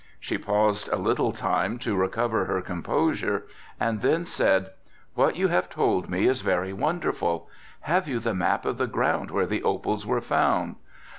She paused a little time to recover her composure and then said: "What you have told me is very wonderful. Have you the map of the ground where the opals were found?"